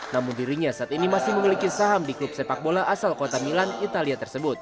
namun dirinya saat ini masih memiliki saham di klub sepak bola asal kota milan italia tersebut